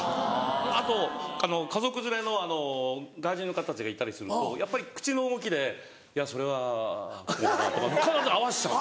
あと家族連れの外人の方たちがいたりするとやっぱり口の動きで「いやそれは」とか必ず合わせちゃうんですよね。